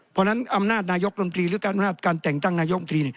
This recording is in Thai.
เพราะฉะนั้นอำนาจนายกรมตรีหรือการอำนาจการแต่งตั้งนายมตรี